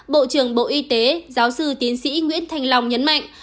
bộ trưởng bộ y tế giáo sư tiến sĩ nguyễn thành lòng nhấn mạnh